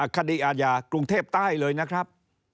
คดีอาญากรุงเทพใต้เลยนะครับ